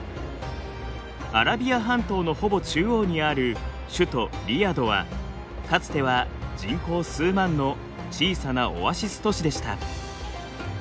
アラビア半島のほぼ中央にある首都リヤドはかつては人口数万の小さなオアシス都市でした。